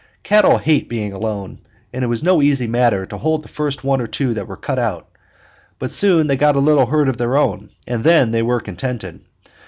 Cattle hate being alone, and it was no easy matter to hold the first one or two that were cut out; but soon they got a little herd of their own, and then they were contented.